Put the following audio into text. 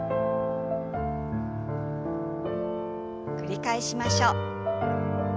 繰り返しましょう。